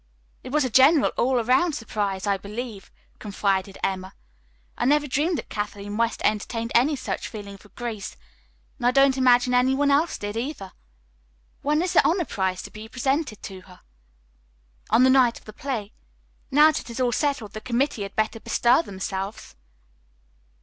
"It was a general all around surprise, I believe," confided Emma. "I never dreamed that Kathleen West entertained any such feeling for Grace, and I don't imagine any one else did, either. When is the honor prize to be presented to her?" "On the night of the play. Now that it is all settled, the play committee had better bestir themselves."